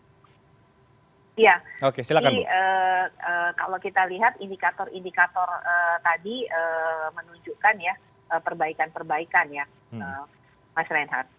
jadi kalau kita lihat indikator indikator tadi menunjukkan ya perbaikan perbaikan ya mas renhar